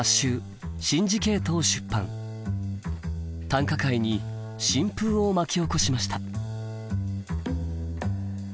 短歌界に新風を巻き起こしました。